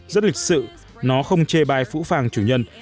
rất lịch sự nó không chê bai phũ phàng chủ nhân